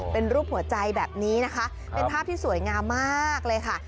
เป็นรูปหัวใจแบบนี้นะคะเป็นภาพที่สวยงามมากเลยค่ะ